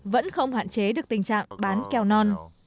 vẫn không hạn chế được tình trạng bán keo non